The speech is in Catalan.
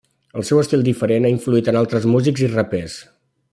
El seu estil diferent ha influït en altres músics i rapers.